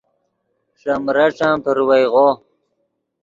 ݰے مریݯن پروئیغو